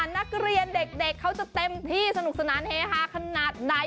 นักเรียนเด็กเขาจะเต็มที่สนุกสนานเฮฮาขนาดไหน